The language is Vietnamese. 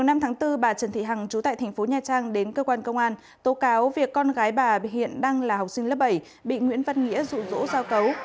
ngày một mươi năm tháng bốn bà trần thị hằng trú tại tp nha trang đến cơ quan công an tố cáo việc con gái bà hiện đang là học sinh lớp bảy bị nguyễn văn nghĩa rụ rỗ giao cấu